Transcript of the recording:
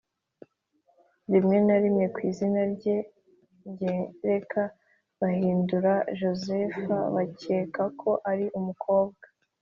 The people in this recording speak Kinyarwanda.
rimwe na rimwe ku izina ry ingereka barihindura Josepha bakeka ko ari umukobwa